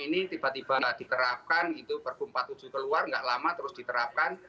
karena kalau tidak seperti iskm ini tiba tiba diterapkan gitu bergumpa tujuh keluar nggak lama terus diterapkan